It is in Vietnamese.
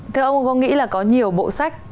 thưa ông có nghĩ là có nhiều bộ sách